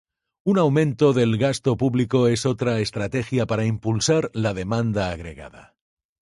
Un aumento del gasto público es otra estrategia para impulsar la demanda agregada.